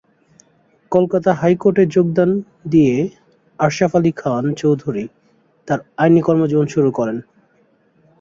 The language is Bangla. কলকাতা হাই কোর্টে যোগ দিয়ে আশরাফ আলী খান চৌধুরী তার আইনি কর্মজীবন শুরু করেন।